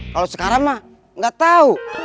kalau sekarang mah nggak tahu